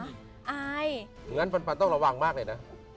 อายงั้นปันต้องระวังมากเลยนะ